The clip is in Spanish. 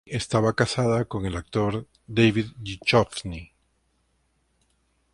Leoni estuvo casada con el actor David Duchovny.